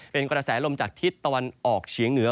เป็นกระแสลมจากทิศตะวันออกเฉียงเหนือ